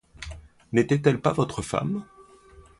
N'était-elle pas votre femme?